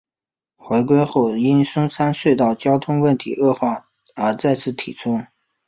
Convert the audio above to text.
回归后因松山隧道交通问题恶化而再次提出。